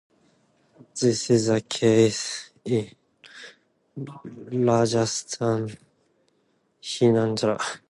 This is the case in Rajasthan, Himachal Pradesh, Uttar Pradesh and also in Haryana.